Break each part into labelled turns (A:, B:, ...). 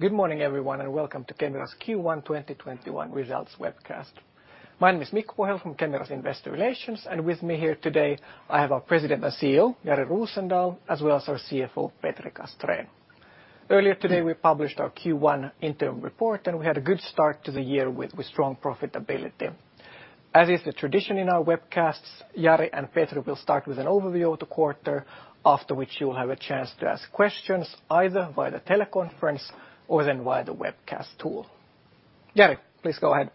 A: Good morning, everyone, and welcome to Kemira's Q1 2021 results webcast. My name is Mikko Pohjala from Kemira's Investor Relations. With me here today, I have our President and CEO, Jari Rosendal, as well as our CFO, Petri Castrén. Earlier today, we published our Q1 interim report, and we had a good start to the year with strong profitability. As is the tradition in our webcasts, Jari and Petri will start with an overview of the quarter, after which you'll have a chance to ask questions either via the teleconference or then via the webcast tool. Jari, please go ahead.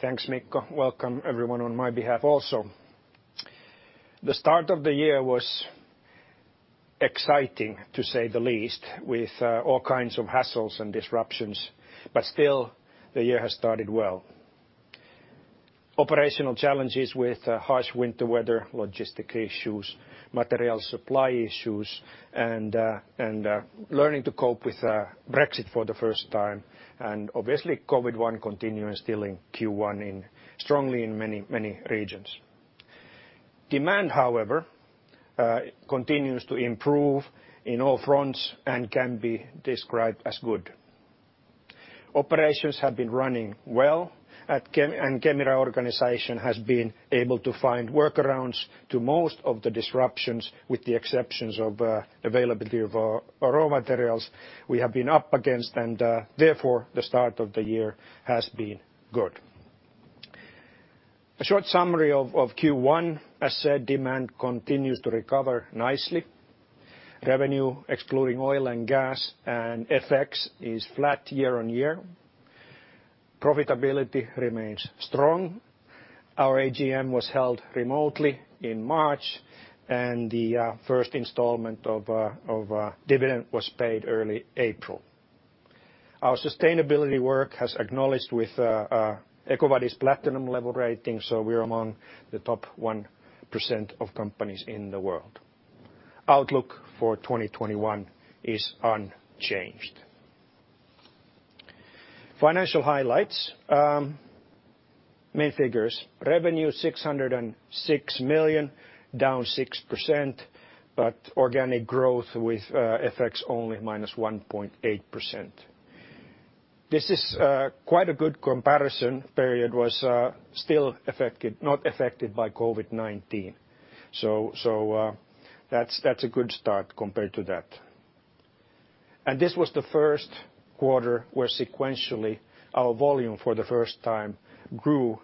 B: Thanks, Mikko. Welcome, everyone, on my behalf also. The start of the year was exciting, to say the least, with all kinds of hassles and disruptions, but still the year has started well. Operational challenges with harsh winter weather, logistic issues, material supply issues, and learning to cope with Brexit for the first time, and obviously COVID-19 continuing still in Q1 intensely in many regions. Demand, however, continues to improve in all fronts and can be described as good. Operations have been running well at Kemira, and Kemira organization has been able to find workarounds to most of the disruptions, with the exceptions of availability of our raw materials we have been up against, and therefore, the start of the year has been good. A short summary of Q1, as said, demand continues to recover nicely. Revenue excluding oil and gas and FX is flat year-on-year. Profitability remains strong. Our AGM was held remotely in March, and the first installment of dividend was paid early April. Our sustainability work has been acknowledged with EcoVadis Platinum level rating, so we're among the top 1% of companies in the world. Outlook for 2021 is unchanged. Financial highlights, main figures. Revenue 606 million, down 6%, but organic growth with FX only -1.8%. This is quite a good comparison. Period was not affected by COVID-19. That's a good start compared to that. This was the first quarter where sequentially our volume for the first time grew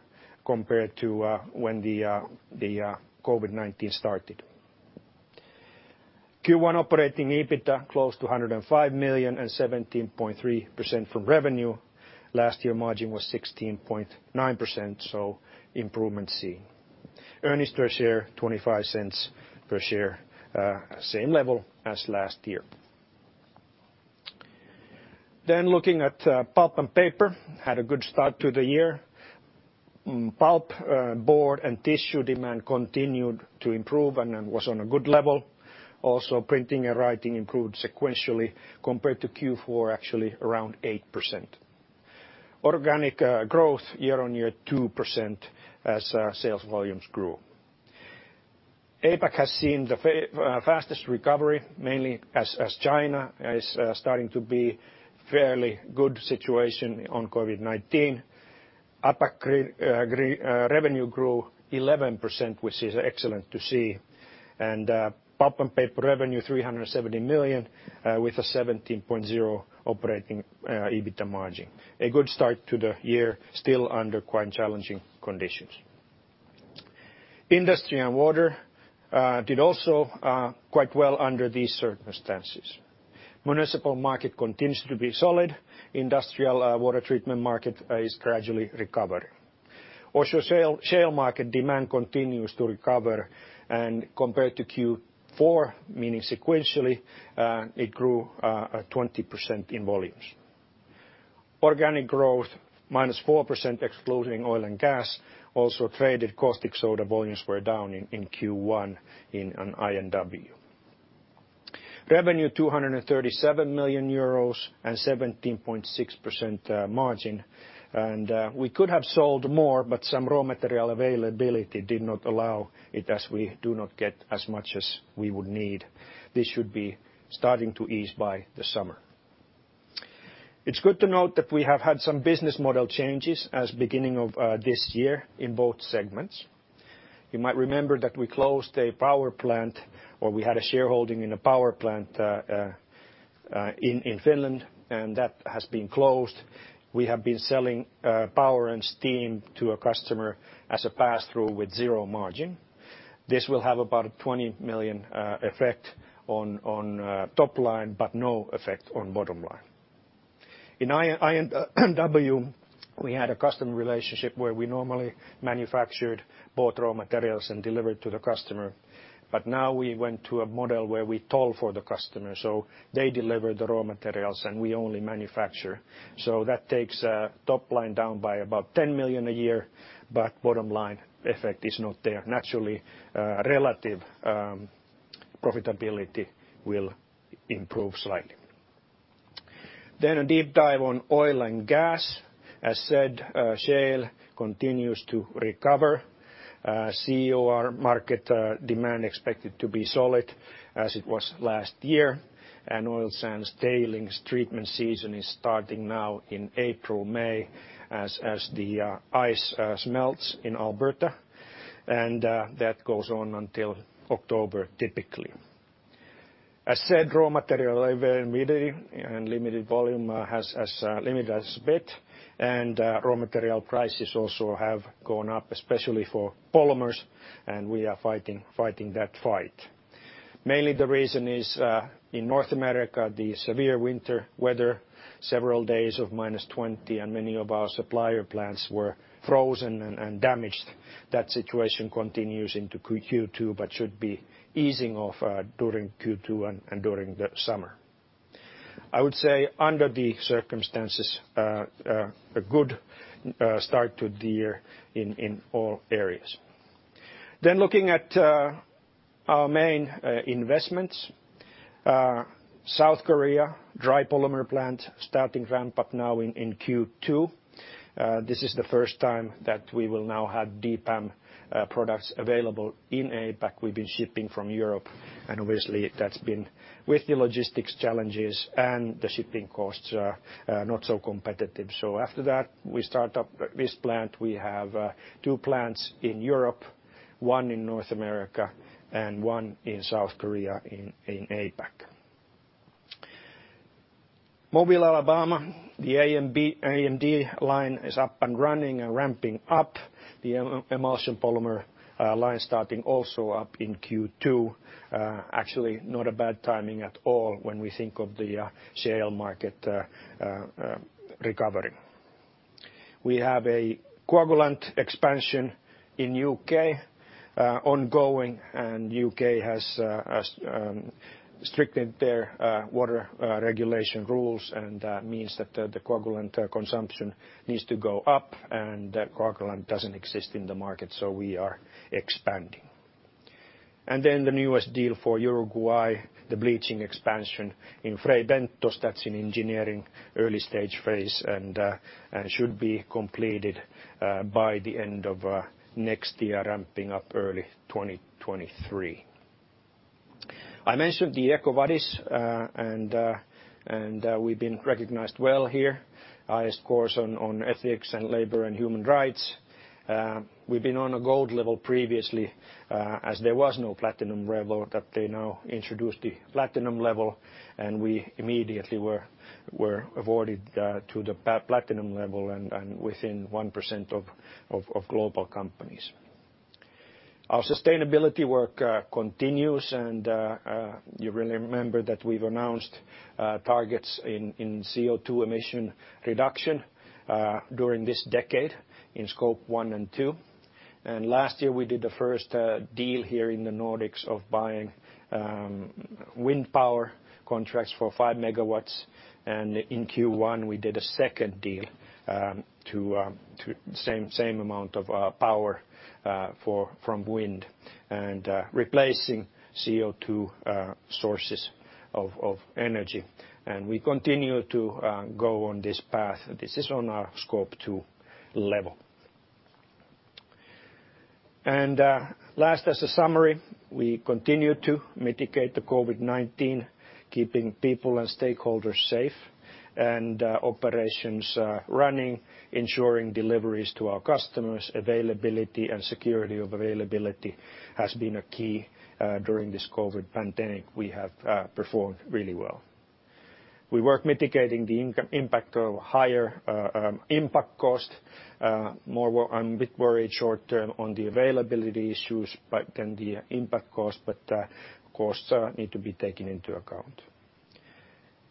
B: compared to when the COVID-19 started. Q1 operating EBITDA close to 105 million and 17.3% of revenue. Last year margin was 16.9%, so improvement seen. Earnings per share 0.25 per share, same level as last year. Looking at Pulp & Paper, had a good start to the year. Pulp board and tissue demand continued to improve and then was on a good level. Also printing and writing improved sequentially compared to Q4, actually around 8%. Organic growth year-on-year 2% as sales volumes grew. APAC has seen the fastest recovery, mainly as China is starting to be fairly good situation on COVID-19. APAC revenue grew 11%, which is excellent to see. Pulp & Paper revenue 370 million with a 17.0% operating EBITDA margin. A good start to the year, still under quite challenging conditions. Industry & Water did also quite well under these circumstances. Municipal market continues to be solid. Industrial water treatment market is gradually recovering. Also, shale market demand continues to recover and compared to Q4, meaning sequentially, it grew 20% in volumes. Organic growth -4% excluding oil and gas also traded. Caustic soda volumes were down in Q1 in I&W. Revenue 237 million euros and 17.6% margin. We could have sold more, but some raw material availability did not allow it as we do not get as much as we would need. This should be starting to ease by the summer. It's good to note that we have had some business model changes at the beginning of this year in both segments. You might remember that we closed a power plant, or we had a shareholding in a power plant in Finland, and that has been closed. We have been selling power and steam to a customer as a passthrough with zero margin. This will have about a 20 million effect on top line, but no effect on bottom line. In I&W, we had a customer relationship where we normally manufactured both raw materials and delivered to the customer. Now we went to a model where we toll for the customer. They deliver the raw materials, and we only manufacture. That takes top line down by about 10 million a year, but bottom line effect is not there. Naturally, relative profitability will improve slightly. A deep dive on oil and gas. As said, shale continues to recover, SAGD market demand expected to be solid as it was last year, and oil sands tailings treatment season is starting now in April, May as the ice smelts in Alberta, and that goes on until October typically. As said, raw material availability and limited volume has limited us a bit, and raw material prices also have gone up, especially for polymers, and we are fighting that fight. Mainly the reason is in North America, the severe winter weather, several days of -20 degrees, and many of our supplier plants were frozen and damaged. That situation continues into Q2, but should be easing off during Q2 and during the summer. I would say under the circumstances, a good start to the year in all areas. Looking at our main investments. South Korea, dry polymer plant starting ramp-up now in Q2. This is the first time that we will now have DPAM products available in APAC. We've been shipping from Europe, and obviously that's been with the logistics challenges and the shipping costs are not so competitive. So after that, we start up this plant. We have two plants in Europe, one in North America, and one in South Korea in APAC. Mobile, Alabama, the AMD line is up and running and ramping up. The emulsion polymer line starting also up in Q2. Actually not a bad timing at all when we think of the shale market recovery. We have a coagulant expansion in U.K. ongoing, and U.K. has strictly their water regulation rules, and that means that the coagulant consumption needs to go up, and coagulant doesn't exist in the market, so we are expanding. Then the newest deal for Uruguay, the bleaching expansion in Fray Bentos, that's in engineering early stage phase and should be completed by the end of next year, ramping up early 2023. I mentioned the EcoVadis, and we've been recognized well here. Highest scores on ethics and labor and human rights. We've been on a gold level previously, as there was no platinum level, that they now introduced the platinum level, and we immediately were awarded the platinum level and within 1% of global companies. Our sustainability work continues and you remember that we've announced targets in CO2 emission reduction during this decade in Scope 1 and 2. Last year we did the first deal here in the Nordics of buying wind power contracts for 5 MW, and in Q1 we did a second deal to the same amount of power from wind and replacing CO2 sources of energy. We continue to go on this path. This is on our Scope 2 level. Last as a summary, we continue to mitigate the COVID-19, keeping people and stakeholders safe, and operations running, ensuring deliveries to our customers. Availability and security of availability has been a key during this COVID pandemic. We have performed really well. We work mitigating the impact of higher impact costs. More, I'm a bit worried short-term on the availability issues but then the impact costs, but costs need to be taken into account.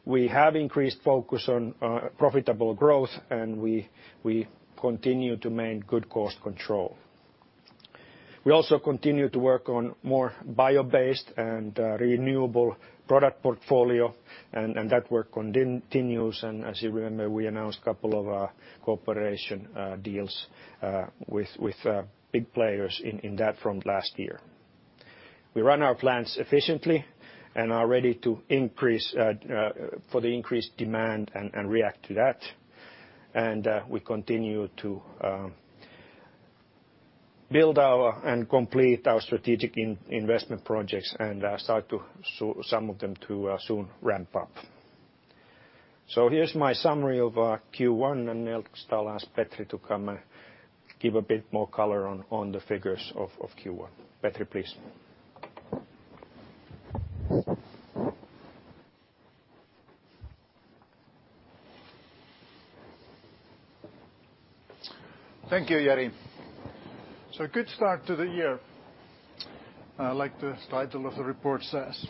B: We have increased focus on profitable growth, and we continue to maintain good cost control. We also continue to work on more bio-based and renewable product portfolio, and that work continues, and as you remember, we announced a couple of cooperation deals with big players in that front last year. We run our plants efficiently and are ready to increase for the increased demand and react to that. We continue to build and complete our strategic investment projects and start some of them to soon ramp up. Here's my summary of Q1, and next I'll ask Petri to come give a bit more color on the figures of Q1. Petri, please.
C: Thank you, Jari. Good start to the year, like the title of the report says.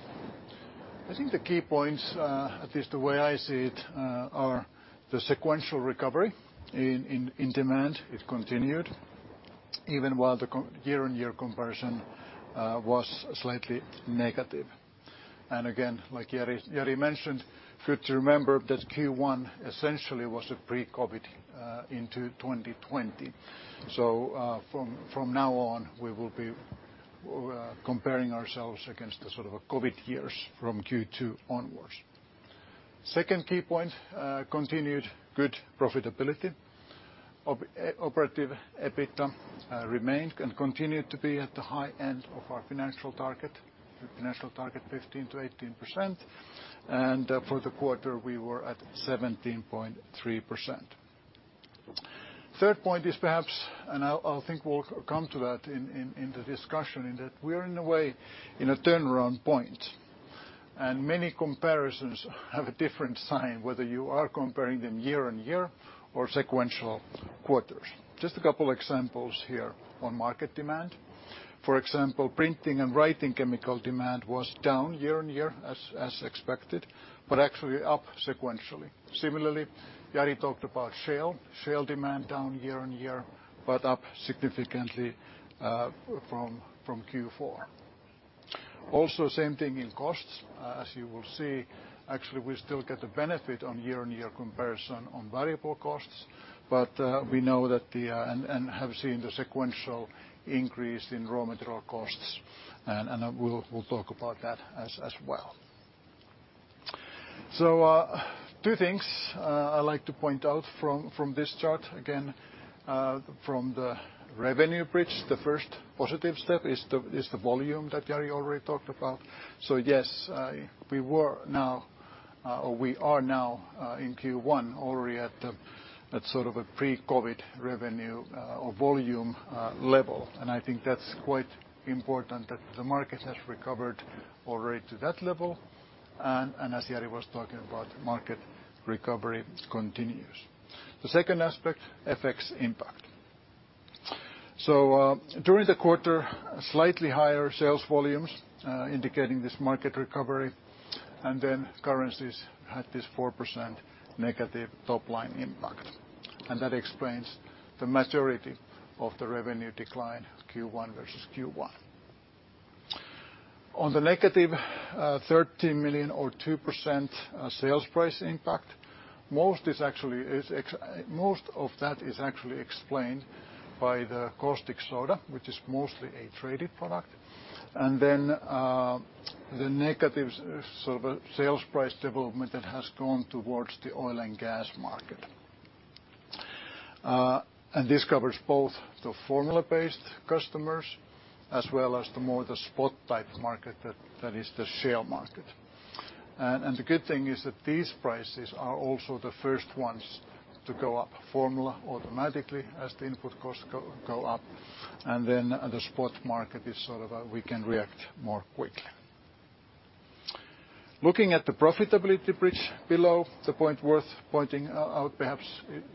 C: I think the key points, at least the way I see it, are the sequential recovery in demand. It continued even while the year-on-year comparison was slightly negative. Again, like Jari mentioned, good to remember that Q1 essentially was a pre-COVID into 2020. From now on, we will be comparing ourselves against the sort of COVID years from Q2 onwards. Second key point, continued good profitability. Operative EBITDA remained and continued to be at the high end of our financial target, the financial target 15%-18%. For the quarter, we were at 17.3%. Third point is perhaps, and I'll think we'll come to that in the discussion, in that we're in a way in a turnaround point. Many comparisons have a different sign, whether you are comparing them year-on-year or sequential quarters. Just a couple examples here on market demand. For example, printing and writing chemical demand was down year-on-year as expected, but actually up sequentially. Similarly, Jari talked about shale. Shale demand down year-on-year, but up significantly from Q4. Also, same thing in costs. As you will see, actually we still get the benefit on year-on-year comparison on variable costs, but we know that and have seen the sequential increase in raw material costs, and we'll talk about that as well. Two things I'd like to point out from this chart. Again, from the revenue bridge, the first positive step is the volume that Jari already talked about. Yes, we are now in Q1 already at sort of a pre-COVID revenue or volume level. I think that's quite important that the market has recovered already to that level. As Jari was talking about, market recovery continues. The second aspect, FX impact. During the quarter, slightly higher sales volumes indicating this market recovery. Then currencies had this 4% negative top-line impact. That explains the majority of the revenue decline Q1 versus Q1. On the negative, 13 million or 2% sales price impact, most is actually ex... Most of that is actually explained by the caustic soda, which is mostly a traded product. Then, the negative sort of sales price development that has gone towards the oil and gas market. This covers both the formula-based customers as well as the spot-type market that is the shale market. The good thing is that these prices are also the first ones to go up, formula automatically as the input costs go up. The spot market is sort of a we can react more quickly. Looking at the profitability bridge below, the point worth pointing out, perhaps,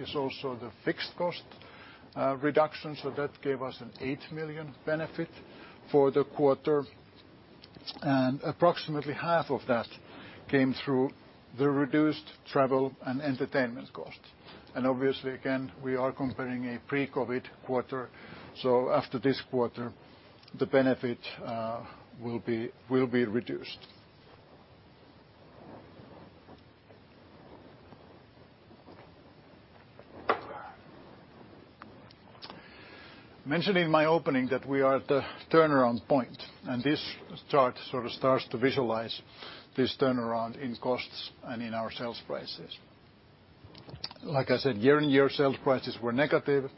C: is also the fixed cost reduction. That gave us 8 million benefit for the quarter. Approximately half of that came through the reduced travel and entertainment cost. Obviously, again, we are comparing a pre-COVID quarter, so after this quarter, the benefit will be reduced. I mentioned in my opening that we are at the turnaround point, and this chart sort of starts to visualize this turnaround in costs and in our sales prices. Like I said, year-on-year sales prices were negative.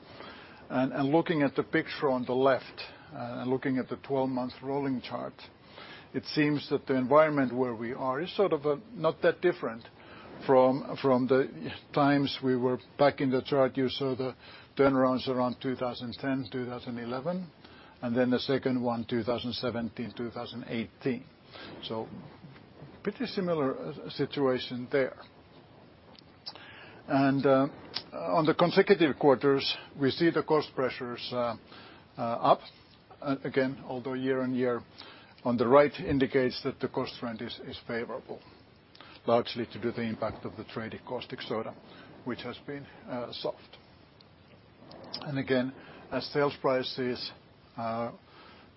C: Looking at the picture on the left and the 12-month rolling chart, it seems that the environment where we are is sort of not that different from the times we were back in the chart. You saw the turnarounds around 2010, 2011, and then the second one, 2017, 2018. Pretty similar situation there. On the consecutive quarters, we see the cost pressures up again, although year-on-year on the right indicates that the cost trend is favorable, largely due to the impact of the traded caustic soda, which has been soft. Again, as sales prices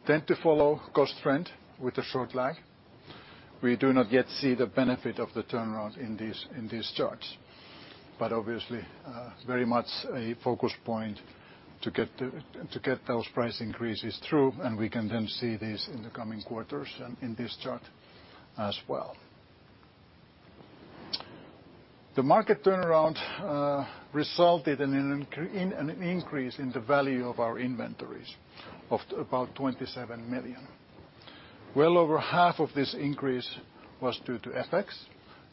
C: tend to follow cost trend with a short lag, we do not yet see the benefit of the turnaround in these charts. Obviously, very much a focus point to get those price increases through, and we can then see these in the coming quarters and in this chart as well. The market turnaround resulted in an increase in the value of our inventories of about 27 million. Well over half of this increase was due to FX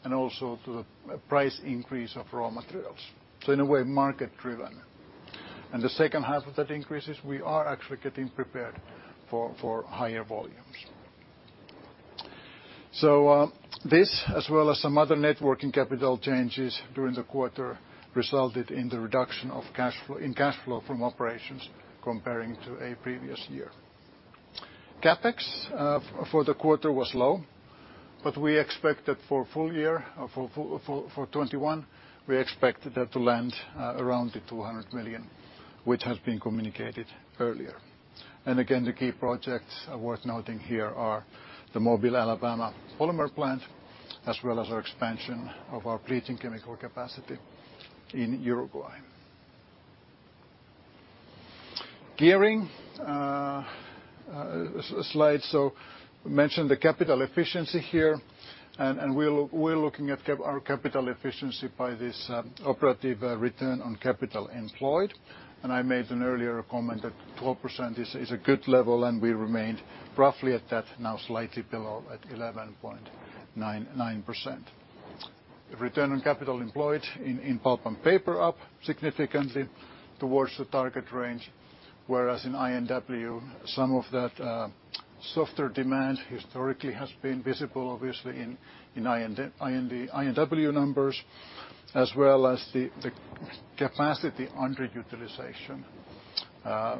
C: and also to a price increase of raw materials. In a way, market driven. The second half of that increase is we are actually getting prepared for higher volumes. This, as well as some other net working capital changes during the quarter, resulted in the reduction of cash flow from operations compared to the previous year. CapEx for the quarter was low, but we expect that for full year or for 2021, we expect that to land around 200 million, which has been communicated earlier. Again, the key projects worth noting here are the Mobile, Alabama polymer plant as well as our expansion of our bleaching chemical capacity in Uruguay. Gearing slide, mention the capital efficiency here, and we're looking at our capital efficiency by this operative return on capital employed. I made an earlier comment that 12% is a good level, and we remained roughly at that, now slightly below at 11.9%. Return on capital employed in Pulp & Paper up significantly towards the target range, whereas in I&W some of that softer demand historically has been visible obviously in I&W numbers as well as the capacity underutilization,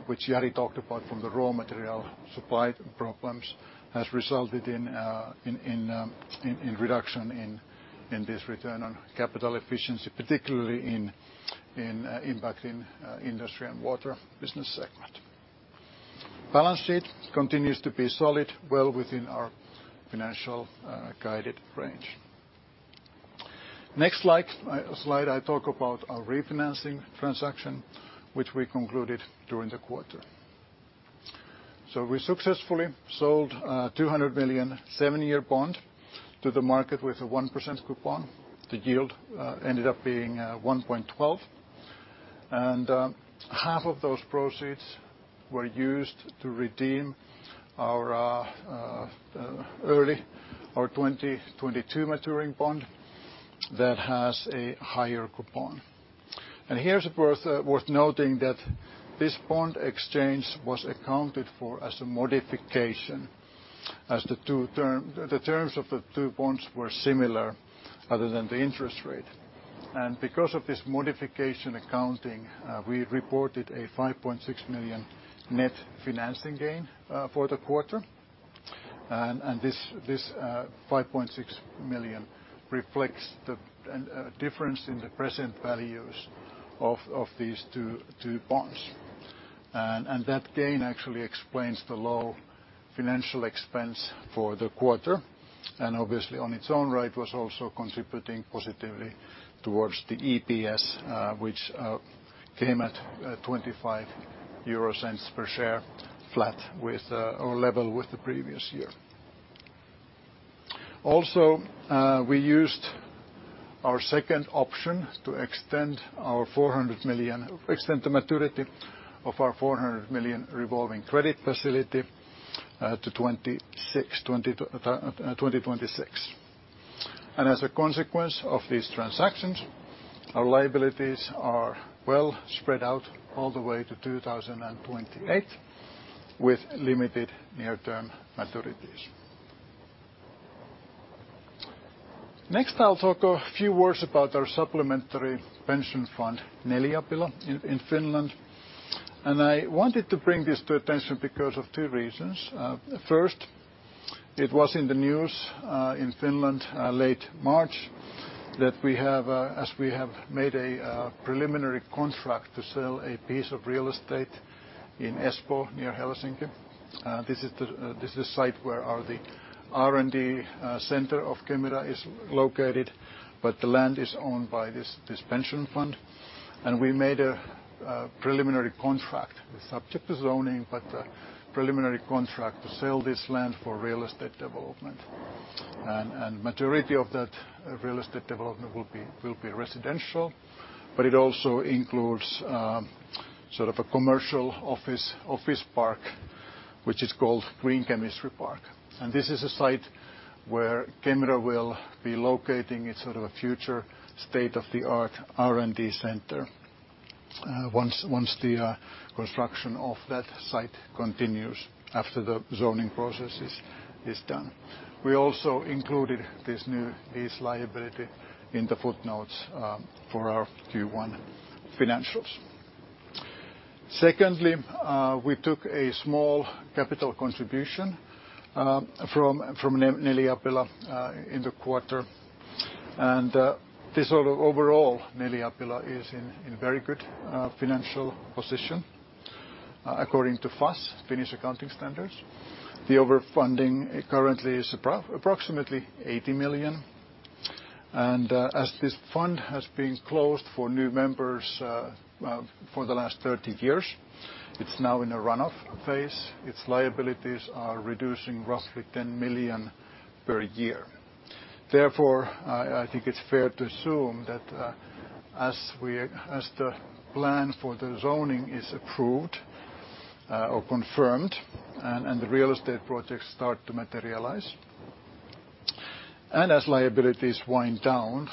C: which Jari talked about from the raw material supply problems, has resulted in reduction in this return on capital efficiency, particularly impacting Industry & Water business segment. Balance sheet continues to be solid, well within our financial guided range. Next slide, I talk about our refinancing transaction which we concluded during the quarter. We successfully sold 200 million seven-year bond to the market with a 1% coupon. The yield ended up being 1.12%. Half of those proceeds were used to redeem our 2022 maturing bond that has a higher coupon. Here it's worth noting that this bond exchange was accounted for as a modification, as the terms of the two bonds were similar other than the interest rate. Because of this modification accounting, we reported a 5.6 million net financing gain for the quarter. This 5.6 million reflects the difference in the present values of these two bonds. That gain actually explains the low financial expense for the quarter, and obviously on its own right was also contributing positively towards the EPS, which came at 0.25 per share, flat with or level with the previous year. Also, we used our second option to extend the maturity of our 400 million revolving credit facility to 2026. As a consequence of these transactions, our liabilities are well spread out all the way to 2028 with limited near-term maturities. Next, I'll talk a few words about our supplementary pension fund, Neliapila, in Finland. I wanted to bring this to attention because of two reasons. First, it was in the news in Finland late March that we have made a preliminary contract to sell a piece of real estate in Espoo near Helsinki. This is the site where our R&D center of Kemira is located, but the land is owned by this pension fund. Majority of that real estate development will be residential, but it also includes sort of a commercial office park, which is called EriCa Green Chemistry Park. This is a site where Kemira will be locating its sort of a future state-of-the-art R&D center, once the construction of that site continues after the zoning process is done. We also included this new liability in the footnotes for our Q1 financials. Secondly, we took a small capital contribution from Neliapila in the quarter. Overall, Neliapila is in very good financial position. According to FAS, Finnish Accounting Standards, the overfunding currently is approximately 80 million. As this fund has been closed for new members for the last 30 years, it's now in a runoff phase. Its liabilities are reducing roughly 10 million per year. Therefore, I think it's fair to assume that, as the plan for the zoning is approved, or confirmed, and the real estate projects start to materialize, and as liabilities wind down,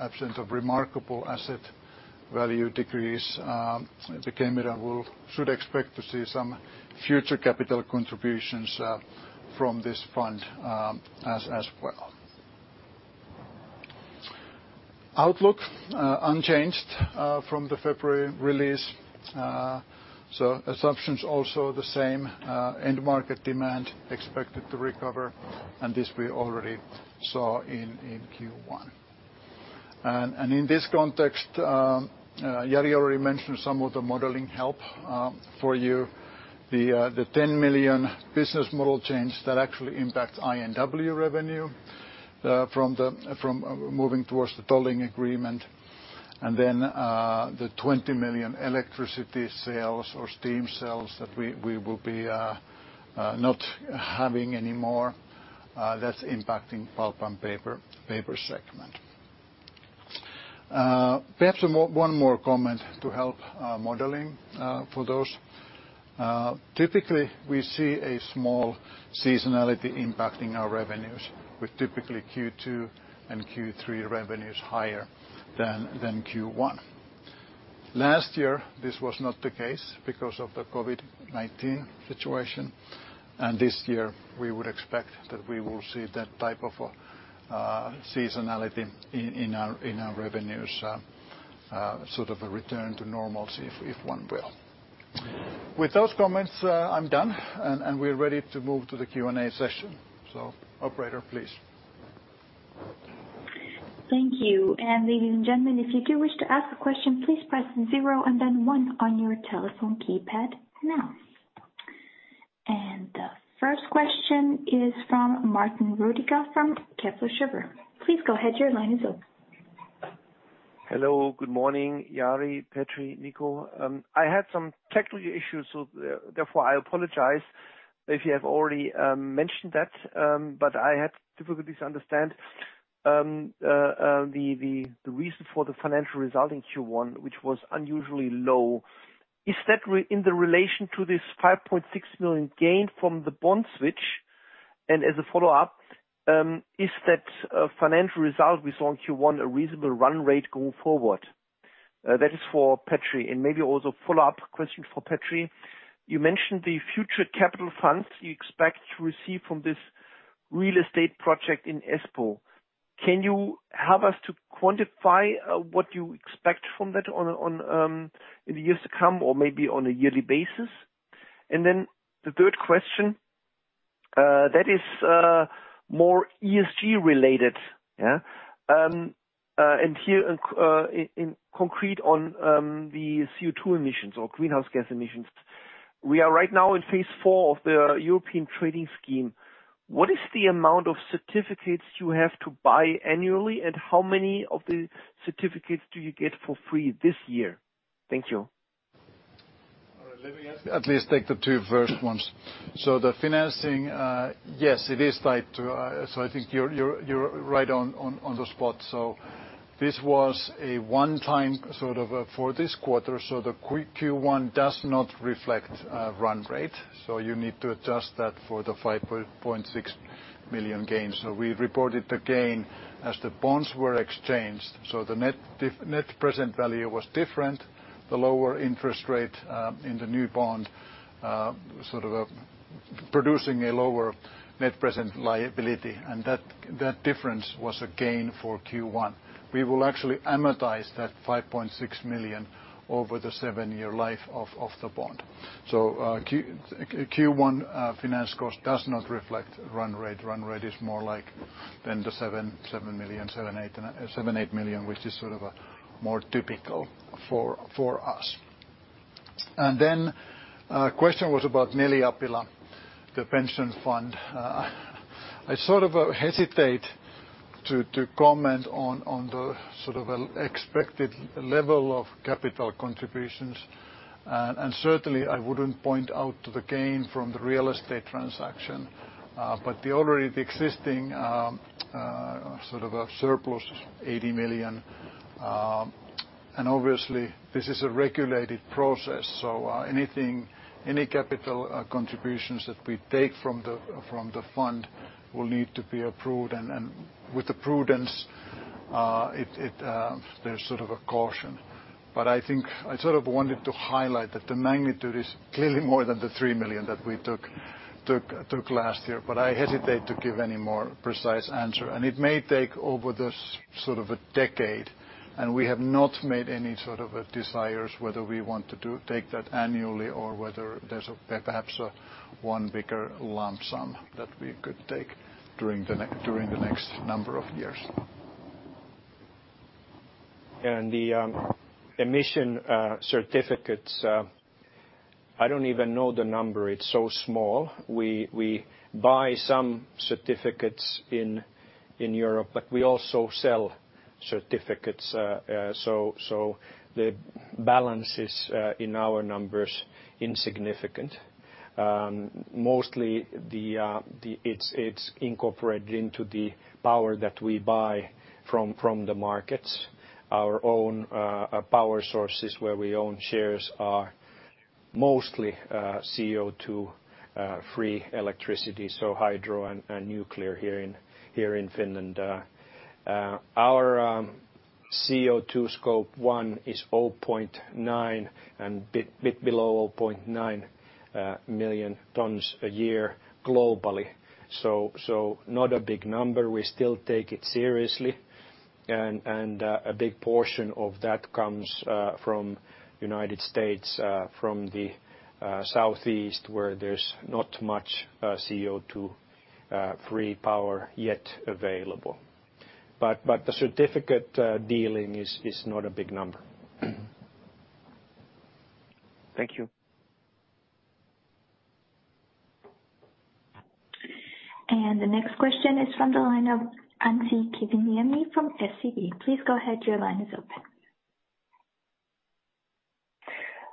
C: absent of remarkable asset value decrease, then Kemira should expect to see some future capital contributions, from this fund, as well. Outlook unchanged, from the February release. So assumptions also the same, end market demand expected to recover, and this we already saw in Q1. In this context, Jari already mentioned some of the modeling help, for you. The 10 million business model change that actually impacts I&W revenue from moving towards the tolling agreement and then the 20 million electricity sales or steam sales that we will be not having any more, that's impacting Pulp & Paper segment. Perhaps one more comment to help modeling for those. Typically we see a small seasonality impacting our revenues with typically Q2 and Q3 revenues higher than Q1. Last year, this was not the case because of the COVID-19 situation. This year we would expect that we will see that type of seasonality in our revenues. Sort of a return to normalcy, if one will. With those comments, I'm done and we're ready to move to the Q&A session. Operator, please.
D: Thank you. Ladies and gentlemen, if you do wish to ask a question, please press zero and then one on your telephone keypad now. The first question is from Martin Roediger from Kepler Cheuvreux. Please go ahead, your line is open.
E: Hello, good morning, Jari, Petri, Mikko. I had some technical issues, so therefore I apologize if you have already mentioned that. But I had difficulties to understand the reason for the financial result in Q1, which was unusually low. Is that in relation to this 5.6 million gain from the bond switch? As a follow-up, is that financial result we saw in Q1 a reasonable run rate going forward? That is for Petri, and maybe also a follow-up question for Petri. You mentioned the future capital funds you expect to receive from this real estate project in Espoo. Can you help us to quantify what you expect from that in the years to come or maybe on a yearly basis? The third question that is more ESG related. Here in concrete on the CO2 emissions or greenhouse gas emissions. We are right now in phase IV of the EU Emissions Trading Scheme. What is the amount of certificates you have to buy annually, and how many of the certificates do you get for free this year? Thank you.
C: All right. Let me at least take the two first ones. The financing, yes, it is tied to. I think you're right on the spot. This was a one-time sort of for this quarter. The quick Q1 does not reflect run rate. You need to adjust that for the 5.6 million gains. We reported the gain as the bonds were exchanged, the net present value was different. The lower interest rate in the new bond sort of producing a lower net present liability, and that difference was a gain for Q1. We will actually amortize that 5.6 million over the seven-year life of the bond. Q1 finance cost does not reflect run rate. Run rate is more like the 7 million-8 million, which is sort of a more typical for us. Question was about Neliapila, the pension fund. I sort of hesitate to comment on the sort of expected level of capital contributions, and certainly I wouldn't point out the gain from the real estate transaction, but already the existing sort of a surplus, 80 million, and obviously this is a regulated process, so any capital contributions that we take from the fund will need to be approved. With the prudence, there's sort of a caution. I think I sort of wanted to highlight that the magnitude is clearly more than the 3 million that we took last year, but I hesitate to give any more precise answer. It may take over this sort of a decade, and we have not made any sort of decisions whether we want to do that annually or whether there's perhaps one bigger lump sum that we could take during the next number of years.
B: The emission certificates, I don't even know the number. It's so small. We buy some certificates in Europe, but we also sell certificates, so the balance is in our numbers insignificant. Mostly, it's incorporated into the power that we buy from the markets. Our own power sources, where we own shares, are mostly CO2 free electricity, so hydro and nuclear here in Finland. Our CO2 Scope 1 is 0.9 and a bit below 0.9 million tons a year globally. Not a big number. We still take it seriously and a big portion of that comes from United States, from the Southeast, where there's not much CO2 free power yet available. The certificate dealing is not a big number.
E: Thank you.
D: The next question is from the line of Anssi Kiviniemi from SEB. Please go ahead. Your line is open.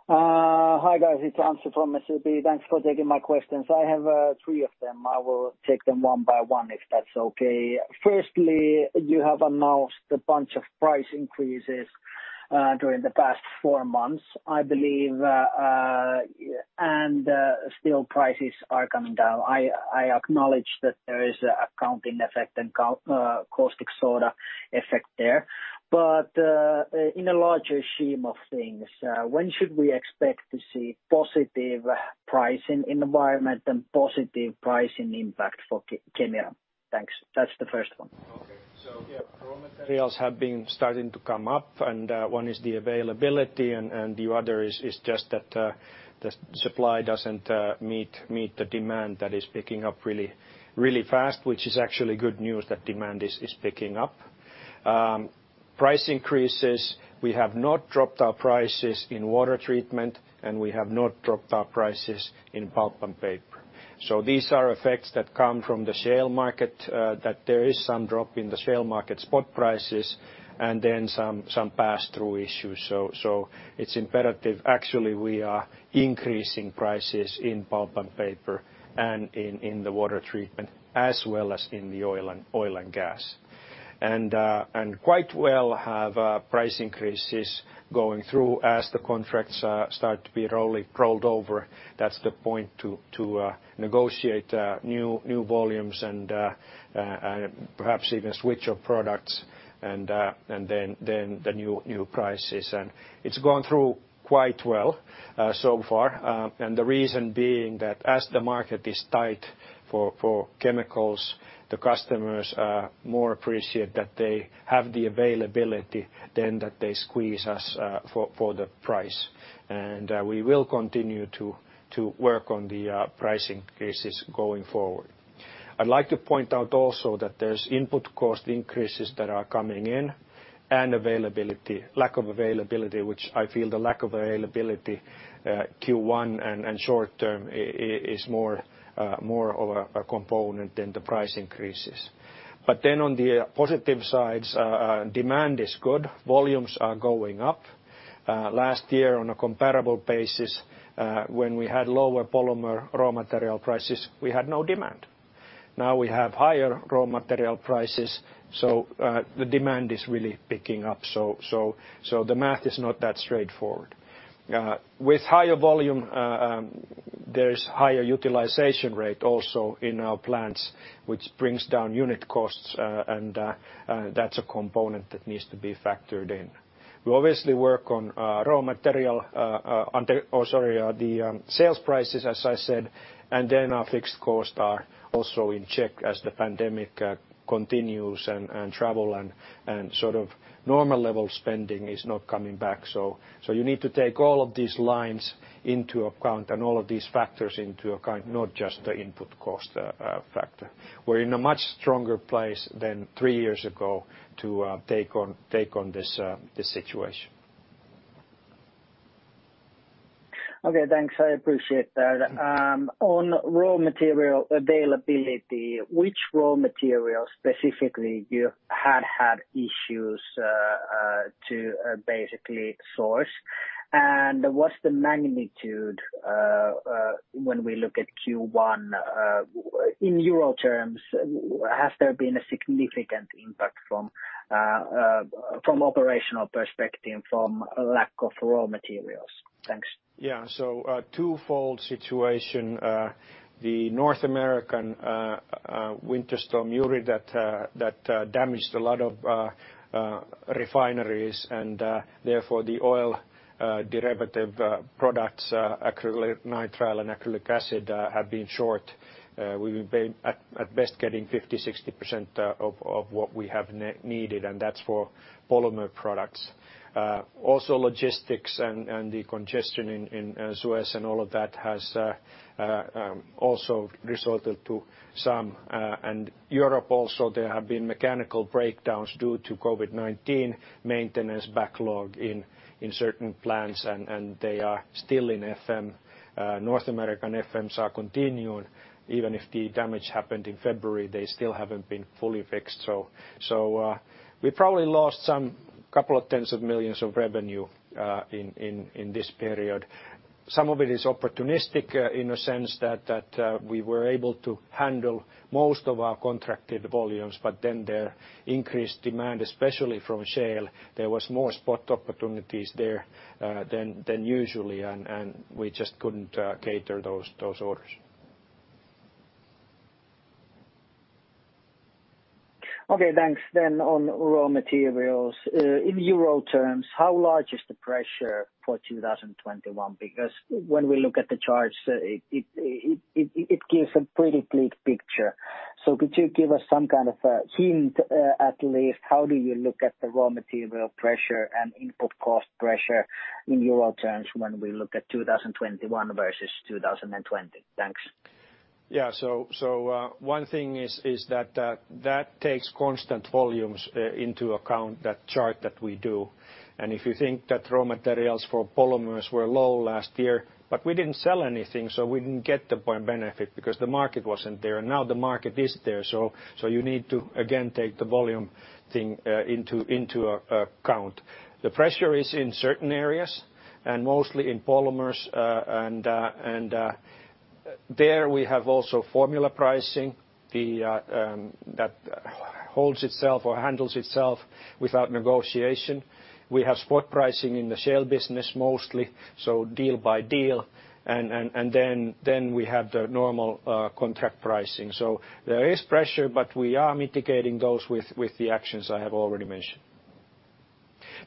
F: Hi, guys. It's Anssi from SEB. Thanks for taking my questions. I have three of them. I will take them one by one, if that's okay. Firstly, you have announced a bunch of price increases during the past four months, I believe. Still prices are coming down. I acknowledge that there is accounting effect and caustic soda effect there. In a larger scheme of things, when should we expect to see positive pricing environment and positive pricing impact for Kemira? Thanks. That's the first one.
B: Okay. Yeah, raw materials have been starting to come up, and one is the availability and the other is just that the supply doesn't meet the demand that is picking up really fast, which is actually good news that demand is picking up. Price increases, we have not dropped our prices in water treatment, and we have not dropped our prices in Pulp & Paper. These are effects that come from the shale market that there is some drop in the shale market spot prices and then some pass-through issues. It's imperative. Actually, we are increasing prices in Pulp & Paper and in the water treatment as well as in the oil and gas. We have had price increases going through quite well as the contracts start to be slowly rolled over. That's the point to negotiate new volumes and perhaps even switch to products and then the new prices. It's gone through quite well so far, and the reason being that as the market is tight for chemicals, the customers more appreciate that they have the availability than that they squeeze us for the price. We will continue to work on the pricing cases going forward. I'd like to point out that there's input cost increases that are coming in and lack of availability, which I feel the lack of availability Q1 and short-term is more of a component than the price increases. On the positive side, demand is good. Volumes are going up. Last year on a comparable basis, when we had lower polymer raw material prices, we had no demand. Now, we have higher raw material prices, so the demand is really picking up. The math is not that straightforward. With higher volume, there's higher utilization rate also in our plants, which brings down unit costs, and that's a component that needs to be factored in. We obviously work on raw material under. Sales prices, as I said, and then our fixed costs are also in check as the pandemic continues and travel and sort of normal level spending is not coming back. You need to take all of these lines into account and all of these factors into account, not just the input cost factor. We're in a much stronger place than three years ago to take on this situation.
F: Okay, thanks. I appreciate that. On raw material availability, which raw material specifically you had issues to basically source? What's the magnitude when we look at Q1 in Euro terms? Has there been a significant impact from operational perspective from lack of raw materials? Thanks.
B: Yeah. A twofold situation. The North American Winter Storm Uri that damaged a lot of refineries and therefore the oil derivative products acrylonitrile and acrylic acid have been short. We've been at best getting 50%-60% of what we have needed, and that's for polymer products. Also logistics and the congestion in Suez and all of that has also resulted to some. Europe also, there have been mechanical breakdowns due to COVID-19 maintenance backlog in certain plants, and they are still in FM. North American FMs are continuing. Even if the damage happened in February, they still haven't been fully fixed. We probably lost some couple of tens of millions EUR in revenue in this period. Some of it is opportunistic in a sense that we were able to handle most of our contracted volumes, but then there was increased demand, especially from shale. There was more spot opportunities there than usual, and we just couldn't cater to those orders.
F: Okay, thanks. On raw materials, in Euro terms, how large is the pressure for 2021? Because when we look at the charts, it gives a pretty bleak picture. Could you give us some kind of a hint at least how do you look at the raw material pressure and input cost pressure in Euro terms when we look at 2021 versus 2020? Thanks.
B: Yeah. One thing is that that takes constant volumes into account, that chart that we do. If you think that raw materials for polymers were low last year, but we didn't sell anything, so we didn't get the point benefit because the market wasn't there. Now the market is there. You need to again take the volume thing into account. The pressure is in certain areas and mostly in polymers. There we have also formula pricing. That holds itself or handles itself without negotiation. We have spot pricing in the sale business mostly, so deal-by-deal. Then we have the normal contract pricing. There is pressure, but we are mitigating those with the actions I have already mentioned.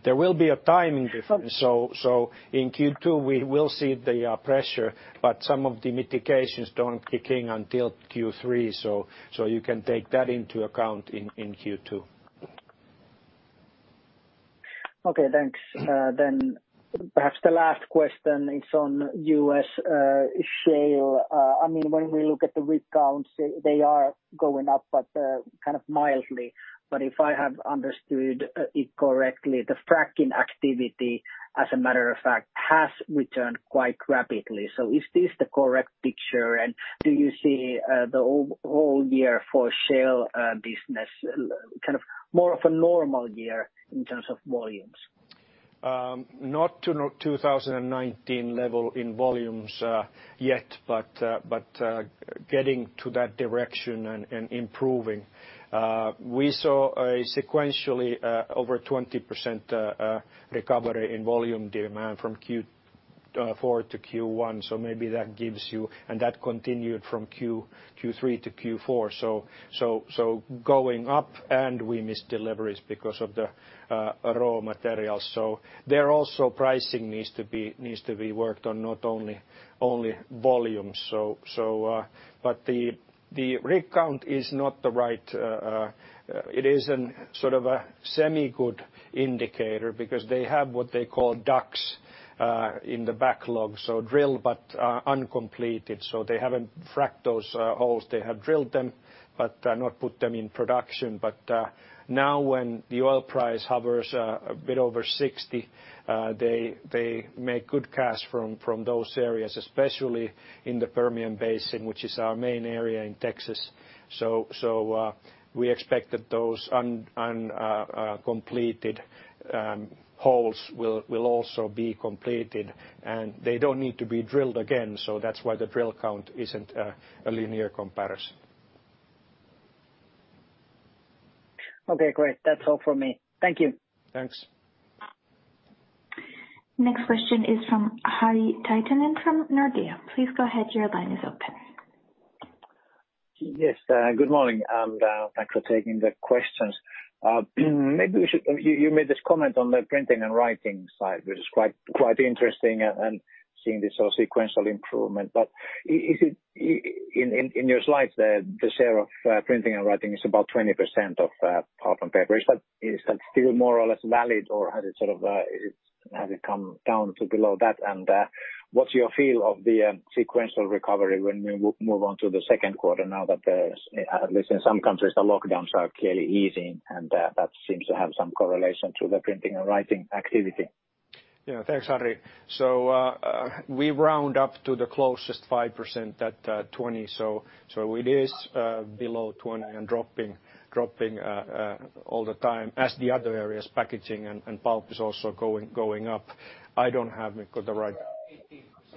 B: There will be a timing difference. In Q2 we will see the pressure, but some of the mitigations don't kick in until Q3. You can take that into account in Q2.
F: Okay, thanks. Then perhaps the last question is on U.S. shale. I mean, when we look at the rig counts, they are going up, but kind of mildly. If I have understood it correctly, the fracking activity as a matter of fact has returned quite rapidly. Is this the correct picture? Do you see the whole year for shale business kind of more of a normal year in terms of volumes?
B: Not to 2019 level in volumes yet, but getting to that direction and improving. We saw sequentially over 20% recovery in volume demand from Q4 to Q1. That continued from Q3 to Q4. Going up and we missed deliveries because of the raw materials. There also pricing needs to be worked on, not only volume. The rig count is not the right, it is a sort of a semi-good indicator because they have what they call DUCs in the backlog. Drilled but uncompleted. They haven't fracked those holes. They have drilled them but not put them in production. Now when the oil price hovers a bit over $60 they make good cash from those areas, especially in the Permian Basin, which is our main area in Texas. We expect that those uncompleted wells will also be completed. They don't need to be drilled again, so that's why the drill count isn't a linear comparison.
F: Okay, great. That's all from me. Thank you.
B: Thanks.
D: Next question is from Harri Taittonen from Nordea. Please go ahead, your line is open.
G: Yes, good morning, and thanks for taking the questions. Maybe we should. You made this comment on the printing and writing side, which is quite interesting and seeing this sort of sequential improvement. Is it in your slides, the share of printing and writing is about 20% of Pulp & Paper. Is that still more or less valid or has it sort of has it come down to below that? What's your feel of the sequential recovery when we move on to the second quarter now that there's at least in some countries, the lockdowns are clearly easing and that seems to have some correlation to the printing and writing activity.
B: Yeah. Thanks, Harri. We round up to the closest 5% at 20%. It is below 20% and dropping all the time as the other areas, packaging and pulp is also going up.
C: In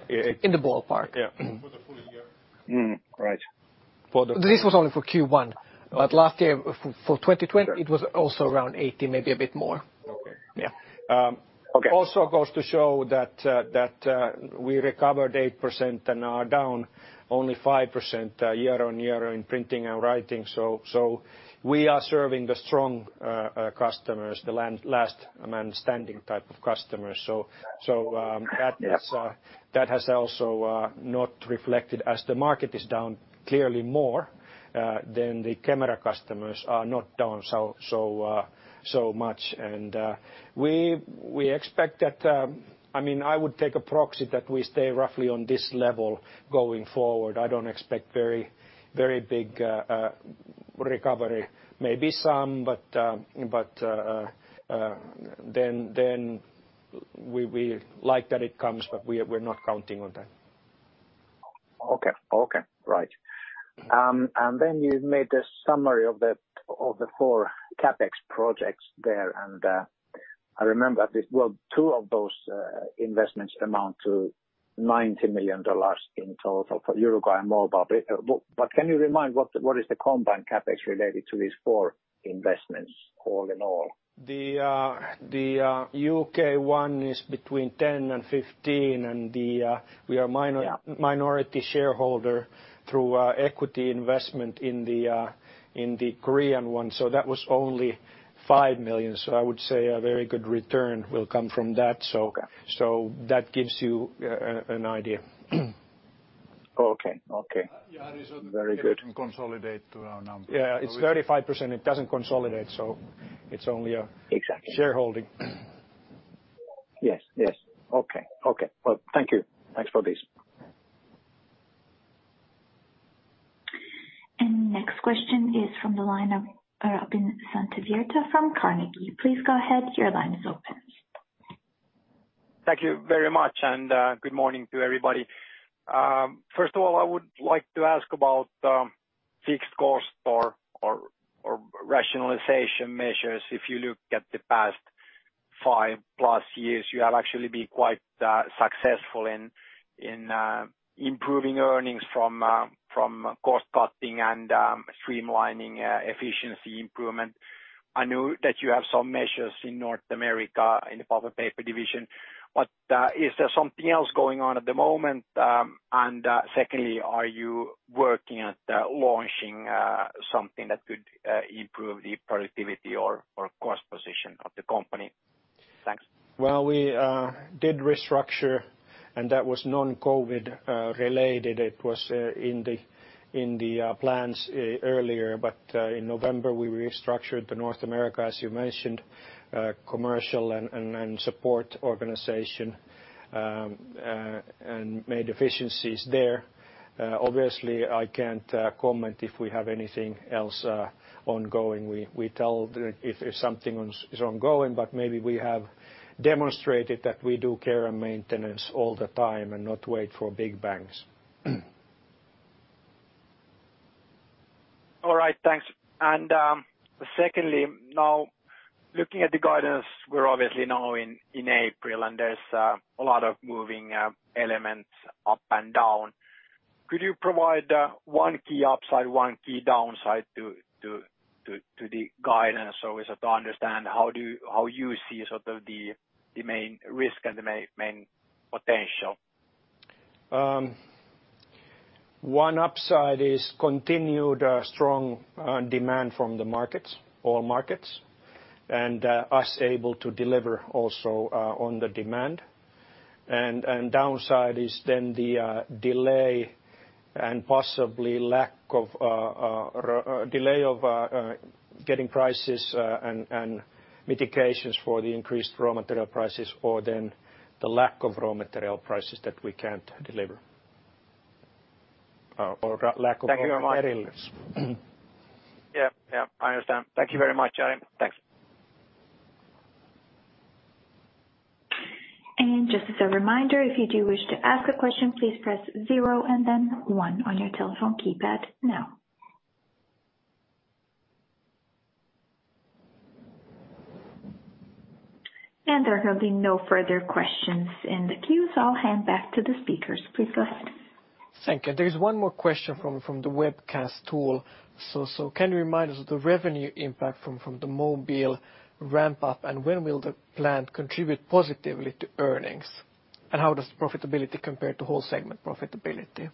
C: the ballpark.
B: Yeah.
G: For the full year. Right.
B: For the-
C: This was only for Q1. Last year, for 2020, it was also around 18%, maybe a bit more.
G: Okay.
C: Yeah.
G: Okay.
B: goes to show that we recovered 8% and are down only 5% year-on-year in printing and writing. We are serving the strong customers, the last man standing type of customers.
G: Yeah.
B: That is, that has also not reflected as the market is down clearly more than the Kemira customers are not down so much. We expect that, I mean, I would take a proxy that we stay roughly on this level going forward. I don't expect very big recovery. Maybe some, but then we like that it comes, but we're not counting on that.
G: You made a summary of the four CapEx projects there. I remember this, well, two of those investments amount to $90 million in total for Uruguay and Mobile. Can you remind what is the combined CapEx related to these four investments all in all?
B: The U.K. one is between 10 million and 15 million. We are minor-
G: Yeah.
B: Minority shareholder through our equity investment in the Korean one. That was only 5 million. I would say a very good return will come from that.
G: Okay.
B: That gives you an idea.
G: Okay. Okay.
B: Yeah.
G: Very good.
B: Consolidate to our number. Yeah. It's 35%. It doesn't consolidate, so it's only a-
G: Exactly.
B: Shareholding. Yes, yes. Okay, okay. Well, thank you. Thanks for this.
D: Next question is from the line of Robin Santavirta from Carnegie. Please go ahead, your line is open.
H: Thank you very much, and good morning to everybody. First of all, I would like to ask about fixed cost or rationalization measures. If you look at the past 5+ years, you have actually been quite successful in improving earnings from cost-cutting and streamlining efficiency improvement. I know that you have some measures in North America in the Pulp & Paper division, but is there something else going on at the moment? Secondly, are you working at launching something that could improve the productivity or cost position of the company? Thanks.
B: Well, we did restructure, and that was non-COVID related. It was in the plans earlier. In November, we restructured the North America, as you mentioned, commercial and support organization, and made efficiencies there. Obviously, I can't comment if we have anything else ongoing. We tell if there's something ongoing, but maybe we have demonstrated that we do care and maintenance all the time and not wait for big bangs.
H: All right, thanks. Secondly, now looking at the guidance, we're obviously now in April, and there's a lot of moving elements up and down. Could you provide one key upside, one key downside to the guidance so as to understand how you see sort of the main risk and the main potential?
B: One upside is continued strong demand from the markets, all markets, and us able to deliver also on the demand. Downside is then the delay and possibly lack of delay of getting prices, and mitigations for the increased raw material prices or then the lack of raw material prices that we can't deliver, or lack of raw materials.
H: Thank you very much. Yeah, yeah, I understand. Thank you very much. Thanks.
D: Just as a reminder, if you do wish to ask a question, please press zero and then one on your telephone keypad now. There are going to be no further questions in the queue, so I'll hand back to the speakers. Please go ahead.
A: Thank you. There is one more question from the webcast tool. Can you remind us of the revenue impact from the Mobile ramp-up, and when will the plant contribute positively to earnings? How does profitability compare to whole segment profitability?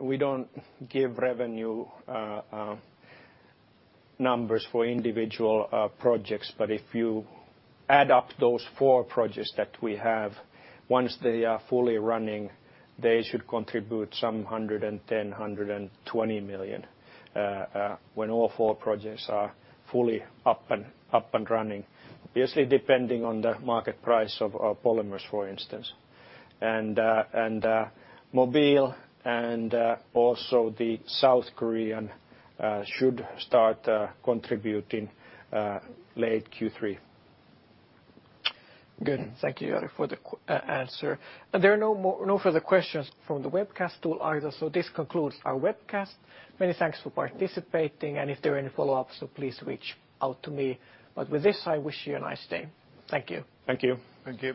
B: We don't give revenue numbers for individual projects. If you add up those four projects that we have, once they are fully running, they should contribute some 110 million-120 million when all four projects are fully up and running. Obviously, depending on the market price of polymers, for instance. Mobile and also the South Korean should start contributing late Q3.
A: Good. Thank you, Jari, for the answer. There are no more, no further questions from the webcast tool either, so this concludes our webcast. Many thanks for participating. If there are any follow-ups, please reach out to me. With this, I wish you a nice day. Thank you.
B: Thank you.
C: Thank you.